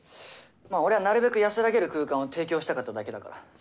まあ俺はなるべく安らげる空間を提供したかっただけだから。